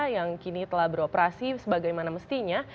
yang kini telah beroperasi sebagaimana mestinya